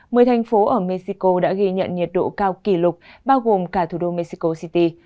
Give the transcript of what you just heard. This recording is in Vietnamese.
mười thành phố ở mexico đã ghi nhận nhiệt độ cao kỷ lục bao gồm cả thủ đô mexico city